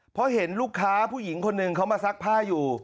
เพราะเห็นลูกค้าผู้หญิงคนหนึ่งเขามาซักผ้าอยู่